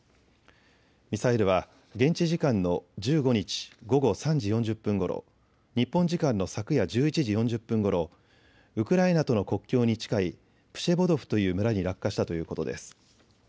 ミサイルは現地時間の１５日午後３時４０分ごろ、日本時間の昨夜１１時４０分ごろ、ウクライナとの国境に近いプシェボドフという村に落下したということです。